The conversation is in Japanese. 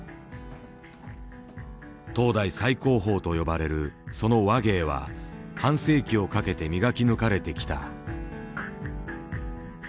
当代最高峰と呼ばれるその話芸は半世紀をかけて磨き抜かれてきた。